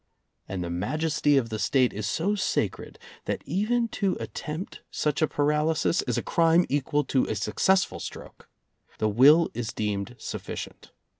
And the majesty of the State is so sacred that even to attempt such a paralysis is a crime equal to a successful stroke. The will is deemed sufficient.